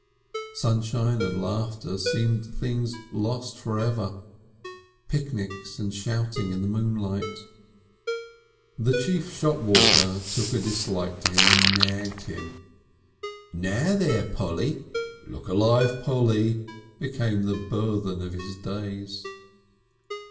Sunshine and laughter seemed things lost for ever; picnics and shouting in the moonlight. The chief shopwalker took a dislike to him and nagged him. "Nar then Polly!" "Look alive Polly!" became the burthen of his days.